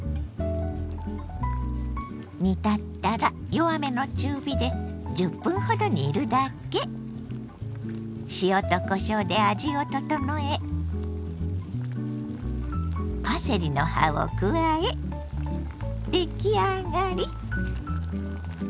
煮立ったら弱めの中火で塩とこしょうで味を調えパセリの葉を加え出来上がり！